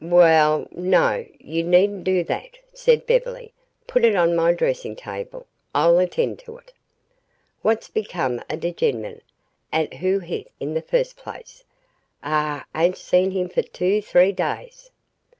"We ll, no; you needn't do that," said Beverly, "Put it on my dressing table. I'll attend to it." "Wha's become o' de gemman 'at wo' hit in the fust place? Ah ain' seen him fo' two three days."